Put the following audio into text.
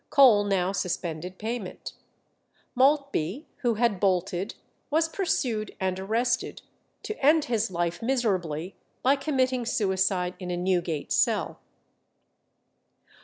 Cole now suspended payment. Maltby, who had bolted, was pursued and arrested, to end his life miserably by committing suicide in a Newgate cell.